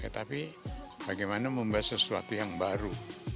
tapi bagaimana membahas sesuatu yang baru